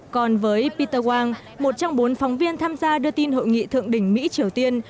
còn với peter wang một trong bốn phóng viên tham gia đưa tin hội nghị thượng đỉnh mỹ triều tiên